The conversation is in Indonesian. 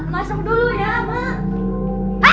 masuk dulu ya ma